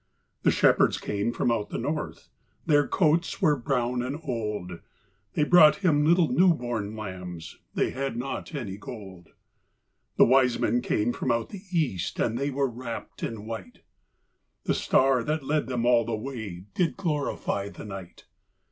The shepherds came from out the north, Their coats were brown and old, They brought Him little new born lambs They had not any gold. The wise men came from out the east, And they were wrapped in white; The star that led them all the way Did glorify the night.